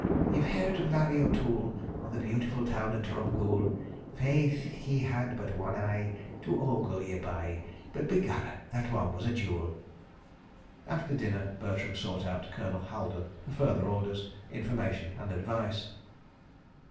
"Ye've heard of Larry O'Toole, O' the beautiful town o' Drumgool? Faith, he had but wan eye To ogle ye by, But, begorra, that wan was a jool. ..." After dinner, Bertram sought out Colonel Haldon for further orders, information and advice.